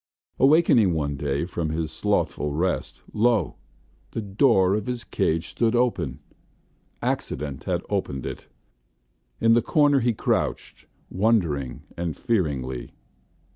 Awaking one day from his slothful rest, lo! the door of his cage stood open: accident had opened it. In the corner he crouched, wondering and fearingly.